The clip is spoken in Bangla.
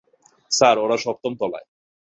স্যার, ওরা সপ্তম তলায়।